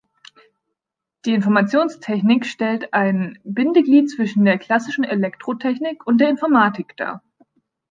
Die Informationstechnik stellt ein Bindeglied zwischen der klassischen Elektrotechnik und der Informatik dar.